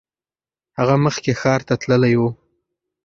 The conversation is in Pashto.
هغه مخکې ښار ته تللی و.